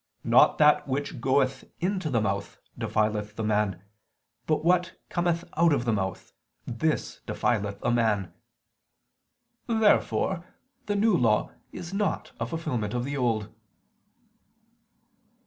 15:11): "Not that which goeth into the mouth defileth the man: but what cometh out of the mouth, this defileth a man." Therefore the New Law is not a fulfilment of the Old.